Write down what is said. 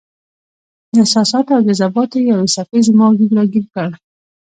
د احساساتو او جذباتو یوې څپې زما وجود راګیر کړ.